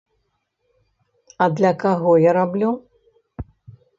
А для каго я раблю?